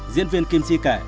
diễn viên kim chi kể